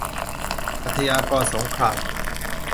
อาชญากรสงคราม